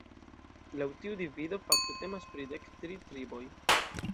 Laŭ tiu divido fakte temas pri dek tri triboj.